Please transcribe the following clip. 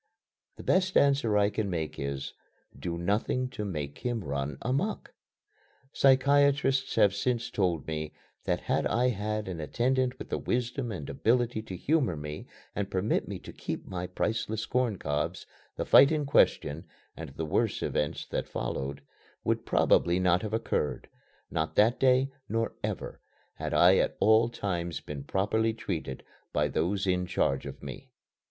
The best answer I can make is: "Do nothing to make him run amuck." Psychiatrists have since told me that had I had an attendant with the wisdom and ability to humor me and permit me to keep my priceless corn cobs, the fight in question, and the worse events that followed, would probably not have occurred not that day, nor ever, had I at all times been properly treated by those in charge of me.